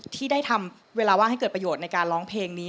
ที่ได้ทำเวลาว่างให้เกิดประโยชน์ในการร้องเพลงนี้